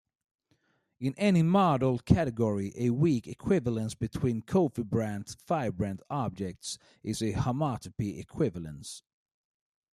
In any model category, a weak equivalence between cofibrant-fibrant objects is a homotopy equivalence.